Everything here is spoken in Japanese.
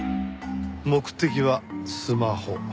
目的はスマホ。